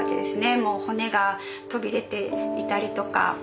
もう骨が飛び出ていたりとか。